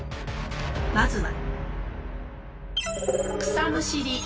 まずは。